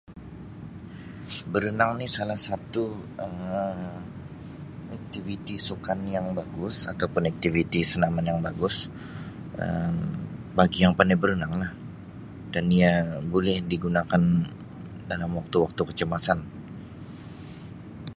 Berenang ni salah satu Um aktiviti sukan yang bagus atau pun aktiviti senaman yang bagus Um bagi yang pandai berenang lah dan ia boleh digunakan dalam waktu waktu kecemasan.